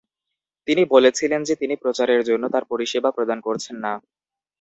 তিনি বলেছিলেন যে তিনি প্রচারের জন্য তাঁর পরিষেবা প্রদান করছেন না।